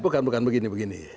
bukan bukan begini